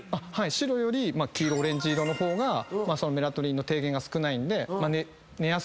白より黄色オレンジ色の方がメラトニンの低減が少ないんで寝やすい。